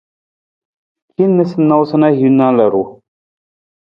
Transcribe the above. Hin noosanoosa na hiwung na ludu.